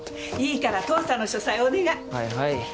いいから父さんの書斎お願い。